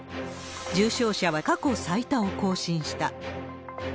重症者は過去最多を更新した。